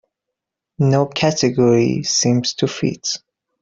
No category seems to fit.